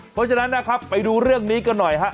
เพราะฉะนั้นนะครับไปดูเรื่องนี้กันหน่อยฮะ